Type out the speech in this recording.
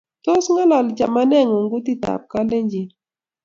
Tos, ngalali chamanengung kutitab kalenjin?